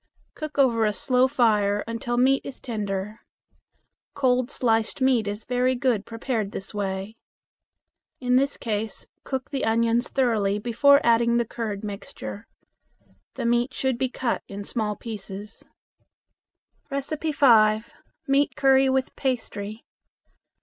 Cook over a slow fire until meat is tender. Cold sliced meat is very good prepared this way. In this case cook the onions thoroughly before adding the curd mixture. The meat should be cut in small pieces. 5. Meat Curry with Pastry.